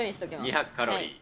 ２００カロリー。